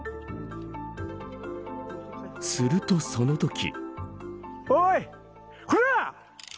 すると、そのとき。